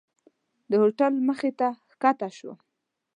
د هوټل مخې ته ښکته شوم.